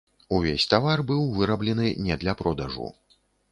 Увесь тавар быў выраблены не для продажу.